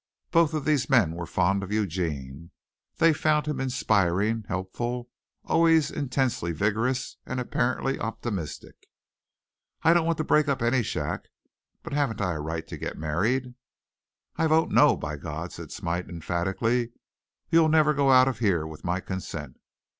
Both of these men were fond of Eugene. They found him inspiring, helpful, always intensely vigorous and apparently optimistic. "I don't want to break up any shack. But haven't I a right to get married?" "I vote no, by God!" said Smite emphatically. "You'll never go out of here with my consent.